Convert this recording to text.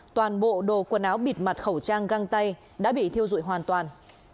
toàn bộ đồ quần áo bịt mặt khẩu trang găng tay đã bị thiêu dụi hoàn toàn